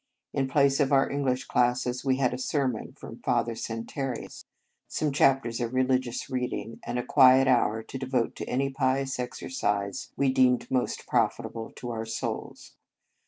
In place of our English classes, we had a sermon from Father Santarius, In Retreat some chapters of religious reading, and a quiet hour to devote to any pious exercise we deemed most pro fitable to our souls.